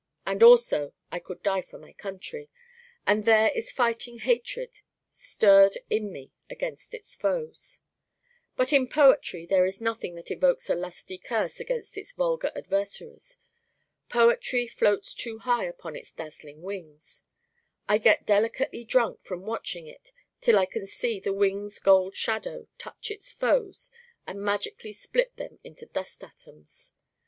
and also I could die for my country: and there is fighting hatred stirred in me against its foes But in poetry there is nothing that evokes a lusty curse against its vulgar adversaries. Poetry floats too high upon its dazzling wings. I get delicately drunk from watching it till I can see the wings' Gold Shadow touch its foes and magically split them into dust atoms.